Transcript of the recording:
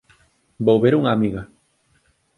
Vou ver a unha amiga.